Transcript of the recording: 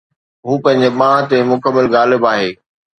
هو پنهنجي ٻانهن تي مڪمل غالب آهي